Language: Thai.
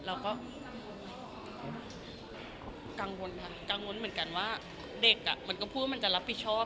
เราก็กังวลค่ะกังวลเหมือนกันว่าเด็กมันก็พูดว่ามันจะรับผิดชอบ